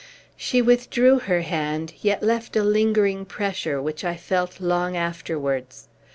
She withdrew her hand, yet left a lingering pressure, which I felt long afterwards.